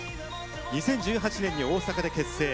２０１８年に大阪で結成。